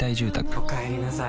おかえりなさい。